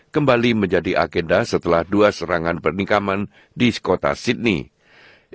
kembali menjadi agenda setelah dua serangan pernikahan di kota sydney